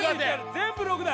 全部６だ！